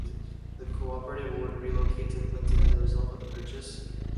The Cooperative would relocate to Clinton as a result of the purchase.